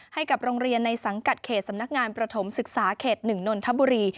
ให้กับโรงเรียนในสังกัดเขตสำนักงานประถมศึกษาเขต๑นนทบุรี